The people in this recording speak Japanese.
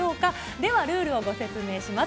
ではルールをご説明します。